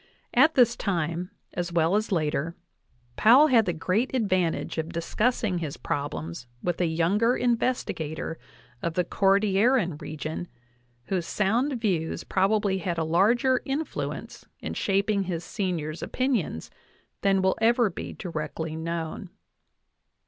At this time, as well as later, Powell had the great advantage of discussing his prob lems with a younger investigator of the Cordilleran region, whose sound views probably had a larger influence in shaping his senior's opinions than will ever be directly known.